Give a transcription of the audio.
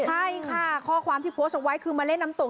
ใช่ค่ะข้อความที่โพสต์เอาไว้คือมาเล่นน้ำตก